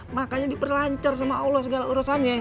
makanya diperlancar sama allah segala urusannya